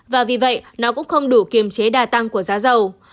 và vì vậy nó cũng không đủ kiềm chế đa tăng của giá dầu